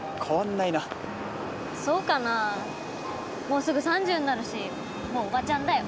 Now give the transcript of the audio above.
もうすぐ３０になるしもうおばちゃんだよ。